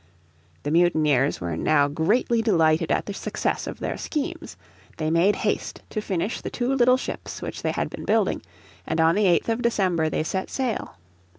The mutineers were now greatly delighted at the success of their schemes. They made haste to finish the two little ships which they had been building, and on the 8th of December they set sail.